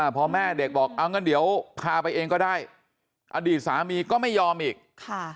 พอแม่เด็กบอกเอางั้นเดี๋ยวพาไปเองก็ได้อดีตสามีก็ไม่ยอมอีกค่ะ